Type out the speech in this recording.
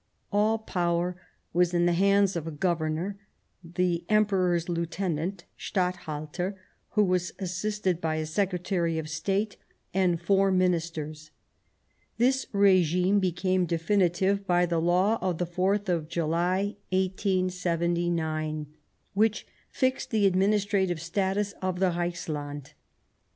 All power was in the hands of a Governor, the Emperor's Lieutenant — Statthalter — who was assisted by a Secretary of State and four Ministers. This regime became definitive by the law of the 4th of July, 1879, which fixed the administrative status of the Reichsland.